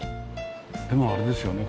でもあれですよね。